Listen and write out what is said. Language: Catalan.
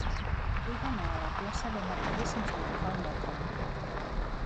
Vull anar a la plaça de Marquilles sense agafar el metro.